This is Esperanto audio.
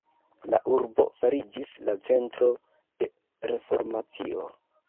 La urbo fariĝis la centro de Reformacio.